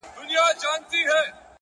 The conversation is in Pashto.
o او ښه په ډاگه درته وايمه چي.